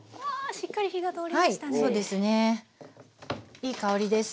いい香りです。